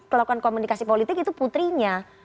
melakukan komunikasi politik itu putrinya